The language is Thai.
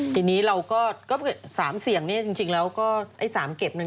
ทีนี้เราก็สามเสี่ยงเนี่ยจริงแล้วก็อันสามเก็บนั่น